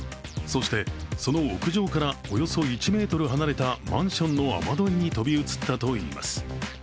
そして、その屋上からおよそ１ｍ離れたマンションの雨どいに飛び移ったといいます。